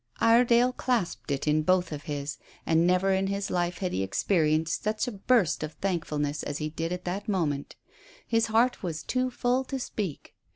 Iredale clasped it in both of his. And never in his life had he experienced such a burst of thankfulness as he did at that moment. His heart was too full to speak.